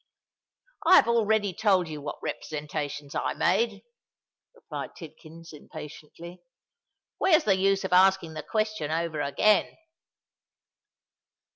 "I have already told you what representations I made," replied Tidkins, impatiently. "Where's the use of asking the question over again?"